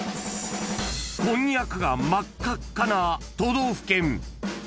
［こんにゃくが真っ赤っかな都道府県］